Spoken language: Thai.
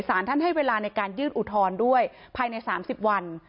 สารท่านให้เวลาในการยื่นอุทธรณ์ด้วยภายใน๓๐วัน